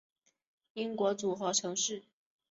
英国组合城市